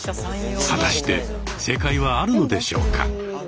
果たして正解はあるのでしょうか？